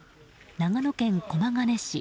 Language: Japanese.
長野県駒ケ根市。